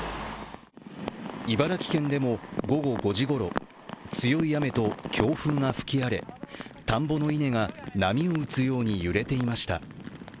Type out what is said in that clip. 茨城県でも午後５時ごろ、強い雨と強風が吹き荒れ田んぼの稲が波打つように揺れていました。